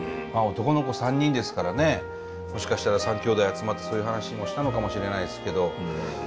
まあ男の子３人ですからねもしかしたら３兄弟集まってそういう話もしたのかもしれないですけど。